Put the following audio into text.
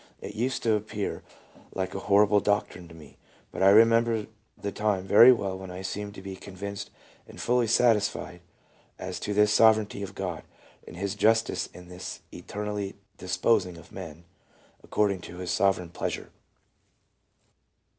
It used to appear like a horrible doctrine to me. But I remember the time very well when I seemed to be convinced and fully satis fied as to this Sovereignty of God, and His justice in thus eter nally disposing of men, according to His Sovereign pleasure.